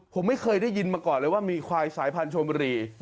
ผมไม่เคยได้ยินมาก่อนเลยว่ามีควายสายพันธมบุรี